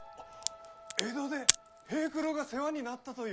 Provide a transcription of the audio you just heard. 江戸で平九郎が世話になったという。